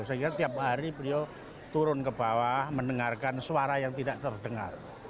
saya kira tiap hari beliau turun ke bawah mendengarkan suara yang tidak terdengar